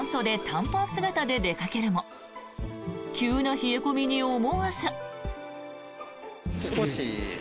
短パン姿で出かけるも急な冷え込みに思わず。